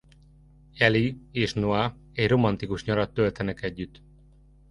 Allie és Noah egy romantikus nyarat töltenek együtt.